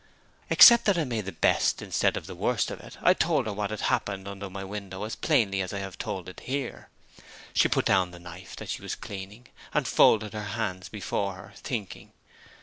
Except that I made the best instead of the worst of it, I told her what had happened under my window as plainly as I have told it here. She put down the knife that she was cleaning, and folded her hands before her, thinking.